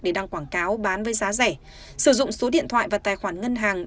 để đăng quảng cáo bán với giá rẻ sử dụng số điện thoại và tài khoản ngân hàng